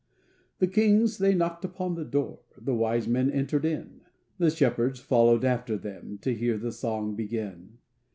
The kings they knocked upon the door, The wise men entered in, The shepherds followed after them To hear the song begin.